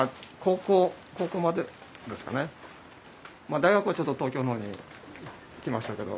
大学はちょっと東京のほうに行きましたけど。